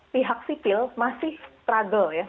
pihak sipil masih bisa menemukan cara untuk bertahan